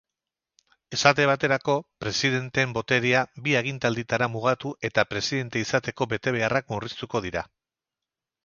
Esaterako, presidenteen boterea bi agintalditara mugatu eta presidente izateko betebeharrak murriztuko dira.